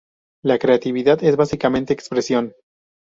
La creatividad es básicamente expresión.